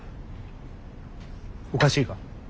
おかしいか？